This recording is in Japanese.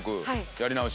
やり直し。